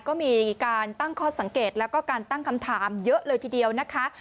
ก็มีการตั้งข้อสังเกตแล้วก็การตั้งคำถามเยอะเลยทีเดียวนะคะ